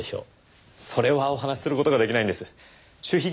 それはお話しする事が出来ないんです。